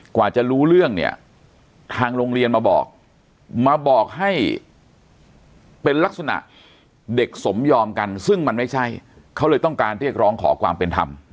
กว่าจะรู้เรื่องเนี่ยทางโรงเรียนมาบอกมาบอกให้เป็นลักษณะเด็กสมยอมกันซึ่งมันไม่ใช่เขาเลยต้องการเรียกร้องขอความเป็นธรรม